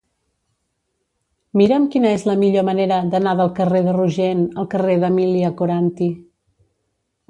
Mira'm quina és la millor manera d'anar del carrer de Rogent al carrer d'Emília Coranty.